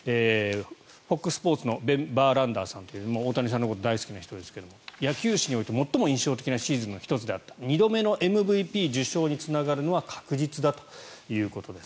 ＦＯＸスポーツのベン・バーランダーさんという大谷さんのことが大好きな人ですが野球史において最も印象的なシーズンの１つであった２度目のＭＶＰ受賞につながるのは確実だということです。